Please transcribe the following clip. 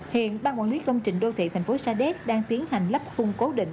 hiện ban quản lý công trình đô thị thành phố sa đéc đang tiến hành lắp khung cố định